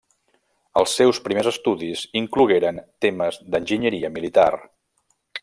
Els seus primers estudis inclogueren temes d'enginyeria militar.